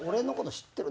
知ってる。